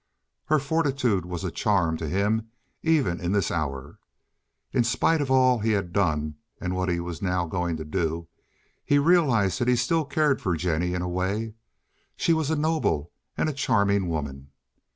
Her fortitude was a charm to him even in this hour. In spite of all he had done and what he was now going to do, he realized that he still cared for Jennie in a way. She was a noble and a charming woman.